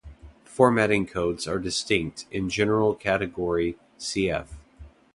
Formatting codes are distinct, in General Category "Cf".